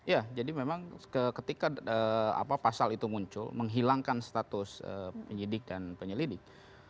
ya jadi memang ketika pasal itu muncul menghilangkan status penyidik dan penyelidik